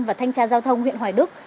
và thanh tra giao thông huyện hoài đức